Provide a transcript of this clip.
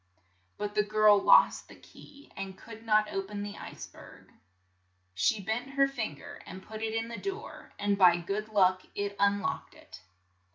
But the girl lost the key, and could not o pen the ice berg. She bent her fin ger and put it in the door, and by good luck it un locked it.